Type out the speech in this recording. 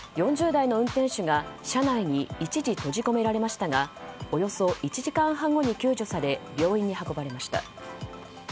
４０代の運転手が車内に一時閉じ込められましたがおよそ１時間半後に救助され病院に運ばれました。